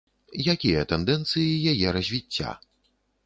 Якія тэндэнцыі яе развіцця?